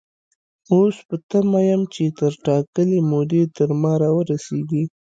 اوس په تمه يم چې تر ټاکلې مودې تر ما را ورسيږي.